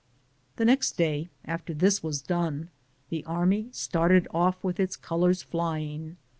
The next day after this was done, the army started off with its colors fifing.